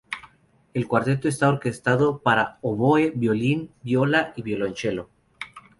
El cuarteto está orquestado para oboe, violín, viola y violonchelo.